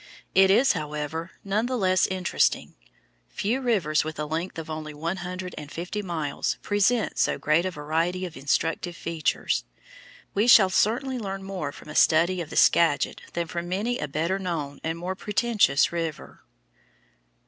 It is, however, none the less interesting. Few rivers with a length of only one hundred and fifty miles present so great a variety of instructive features. We shall certainly learn more from a study of the Skagit than from many a better known and more pretentious river.